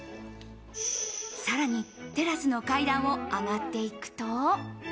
さらにテラスの階段を上がっていくと。